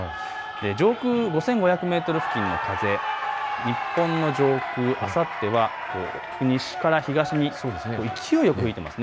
上空５５００メートル付近の風、日本の上空、あさっては西から東に勢いよく吹いています。